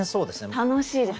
楽しいです。